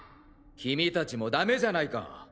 君たちもダメじゃないか。